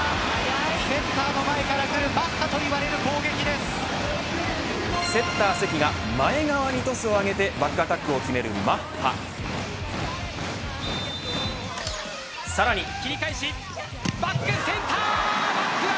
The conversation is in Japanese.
速いセッターの前からくるマッハといわれセッター関が、前側にトスを上げてバックアタックを決めるマッハ切り返し、バックセンター。